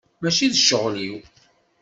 Mačči d ccɣel-iw!